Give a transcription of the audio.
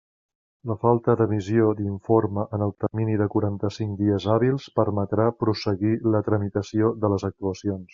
La falta d'emissió d'informe en el termini de quaranta-cinc dies hàbils permetrà prosseguir la tramitació de les actuacions.